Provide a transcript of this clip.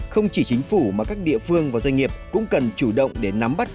không chỉ chính phủ mà các địa phương và doanh nghiệp cũng cần chủ động để nắm bắt